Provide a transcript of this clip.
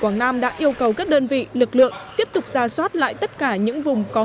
quảng nam đã yêu cầu các đơn vị lực lượng tiếp tục ra soát lại tất cả những vùng có